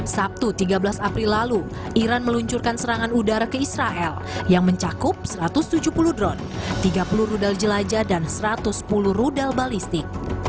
sabtu tiga belas april lalu iran meluncurkan serangan udara ke israel yang mencakup satu ratus tujuh puluh drone tiga puluh rudal jelajah dan satu ratus sepuluh rudal balistik